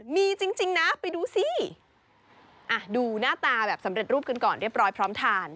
มีจริงนะไปดูสิดูหน้าตาแบบสำเร็จรูปกันก่อนเรียบร้อยพร้อมทาน